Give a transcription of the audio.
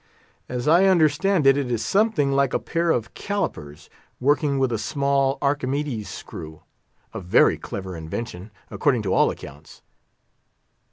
As I understand it, it is something like a pair of calipers, working with a small Archimedes screw—a very clever invention, according to all accounts.